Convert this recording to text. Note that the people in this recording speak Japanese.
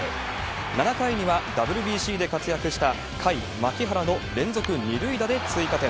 ７回にはＷＢＣで活躍した甲斐、牧原の連続２塁打で追加点。